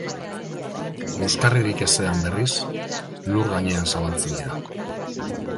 Euskarririk ezean, berriz, lur gainean zabaltzen dira.